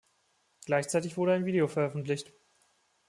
Gleichzeitig wurde ein Video veröffentlicht.